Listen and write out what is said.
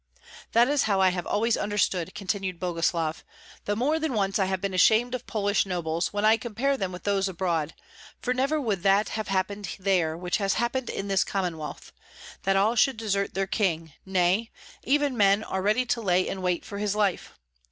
"That is how I have always understood," continued Boguslav, "though more than once have I been ashamed of Polish nobles, when I compare them with those abroad; for never would that have happened there which has happened in this Commonwealth, that all should desert their king, nay, even men are ready to lay in wait for his life.